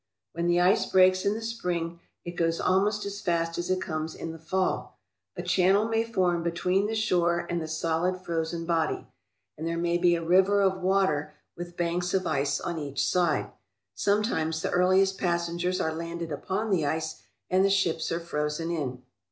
When the ice breaks in the spring it goes almost as fast as it comes in the fall. A channel may form between the shore and the solid frozen body, and there may be a river 240 THE ALEUTIAN ISLANDS of water with banks of ice on each side. Sometimes the earliest passengers are landed upon the ice and the ships are frozen in.